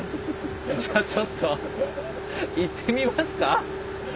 じゃあちょっと行ってみますか？